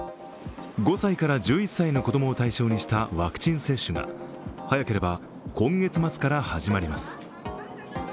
５歳から１１歳の子供を対象にしたワクチン接種が早ければ今月末から始まります。